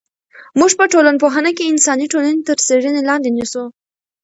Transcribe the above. موږ په ټولنپوهنه کې انساني ټولنې تر څېړنې لاندې نیسو.